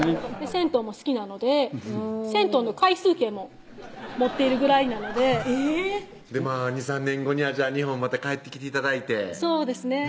銭湯も好きなので銭湯の回数券も持っているぐらいなのでまぁ２３年後には日本また帰ってきて頂いてそうですね